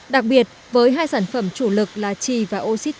đặc biệt với hai sản phẩm chủ lực là chi và oxyt